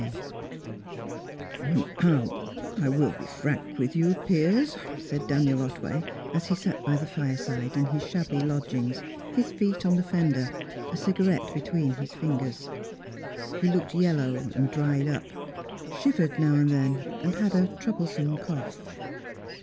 CHAPTER XXIX "I will be frank with you, Piers," said Daniel Otway, as he sat by the fireside in his shabby lodgings, his feet on the fender, a cigarette between his fingers. He looked yellow and dried up; shivered now and then, and had a troublesome cough.